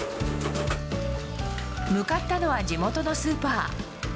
向かったのは地元のスーパー。